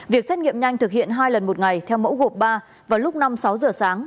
việc xét nghiệm nhanh thực hiện hai lần một ngày theo mẫu gộp ba vào lúc năm sáu giờ sáng